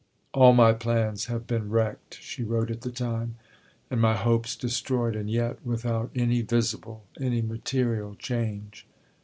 "All my plans have been wrecked," she wrote at the time, "and my hopes destroyed, and yet without any visible, any material change."